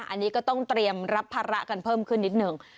อันนี้ก็ต้องเตรียมรับภาระกันเพิ่มขึ้นนิดหนึ่ง